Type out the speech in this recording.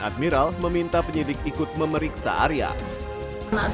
admiral meminta penyidik ikut memeriksa arya anak saya disiksa begitu kan ada